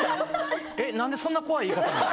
何でそんな怖い言い方なん？